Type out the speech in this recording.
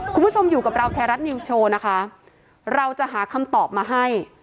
คุณผู้ชมอยู่กับเราไทยรัฐนิวส์โชว์นะคะเราจะหาคำตอบมาให้